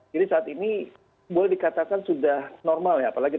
jadi saat ini boleh dikatakan sudah normal ya